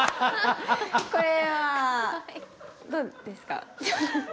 これはどうですか？